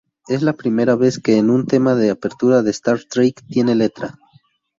Es la primera vez que un tema de apertura de Star Trek tiene letra.